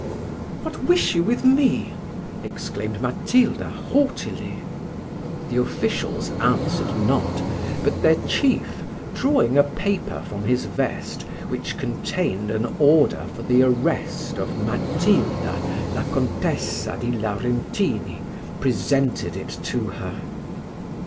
"What wish you with me?" exclaimed Matilda haughtily. The officials answered not; but their chief, drawing a paper from his vest, which contained an order for the arrest of Matilda La Contessa di Laurentini, presented it to her.